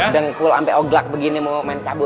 dengkul sampai oglak begini mau main cabut